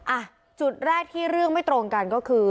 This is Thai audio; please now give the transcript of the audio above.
อ่ะจุดแรกที่เรื่องไม่ตรงกันก็คือ